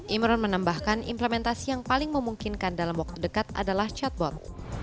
imron menambahkan implementasi yang paling memungkinkan dalam waktu dekat adalah chatbot